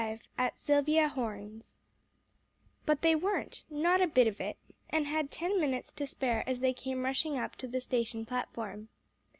V AT SILVIA HORNE'S But they weren't not a bit of it and had ten minutes to spare as they came rushing up to the station platform.